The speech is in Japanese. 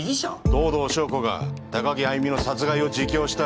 藤堂将子が高城歩の殺害を自供した。